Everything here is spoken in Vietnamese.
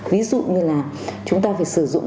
ví dụ như là chúng ta phải sử dụng